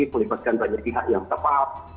melibatkan banyak pihak yang tepat